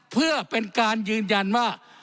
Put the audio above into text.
เพื่อเป็นการยืนยันว่า